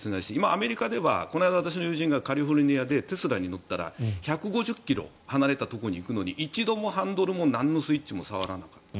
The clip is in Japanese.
アメリカではこの間私の友人がカリフォルニアでテスラに乗ったら１５０ｋｍ離れたところに行くのに一度もハンドルもスイッチも触らなかった。